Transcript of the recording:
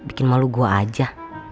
bikin malu gua aja